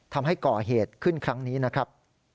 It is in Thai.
ทำให้ก่อเหตุขึ้นครั้งนี้นะครับ